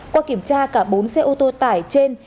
qua kiểm tra cả bốn xe ô tô tải trên